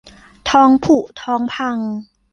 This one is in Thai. ท้องผุท้องพัง